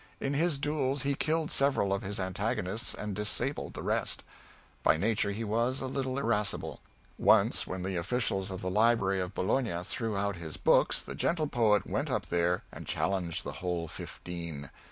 In his duels he killed several of his antagonists and disabled the rest. By nature he was a little irascible. Once when the officials of the library of Bologna threw out his books the gentle poet went up there and challenged the whole fifteen!